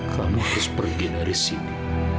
kami harus pergi dari sini